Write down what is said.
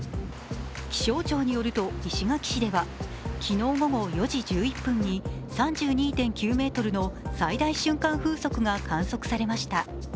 気象庁によると、石垣市では昨日午後４時１１分に３２．９メートルの最大瞬間風速が観測されました。